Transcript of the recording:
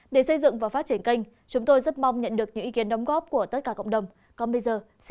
để xây dựng và phát triển kênh chúng tôi rất mong nhận được những ý kiến đóng góp của tất cả cộng đồng